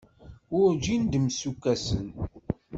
Werǧin d-msukkasen.